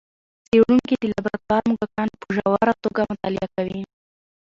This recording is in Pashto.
څېړونکي د لابراتوار موږکان په ژوره توګه مطالعه کوي.